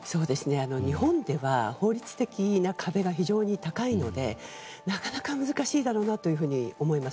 日本では法律的な壁が非常に高いのでなかなか難しいだろうなと思います。